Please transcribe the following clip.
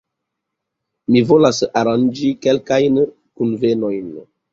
Mi volas aranĝi kelkajn kunvenojn.